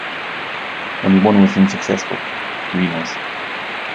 Only one was unsuccessful: Reno's.